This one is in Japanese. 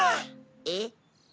えっ？